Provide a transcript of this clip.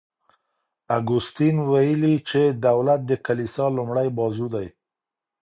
اګوستین ویلي چي دولت د کلیسا لومړی بازو دی.